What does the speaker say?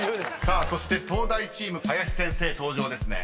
［そして東大チーム林先生登場ですね］